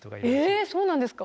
えそうなんですか？